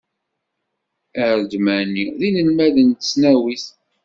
Aredmani, d inelmaden n tesnawit.